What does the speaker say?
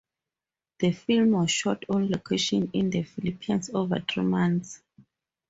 The film was shot on location in the Philippines over three months.